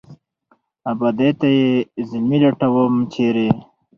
آبادۍ ته یې زلمي لټوم ، چېرې ؟